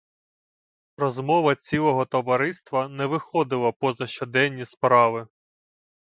Розмова цілого товариства не виходила поза щоденні справи.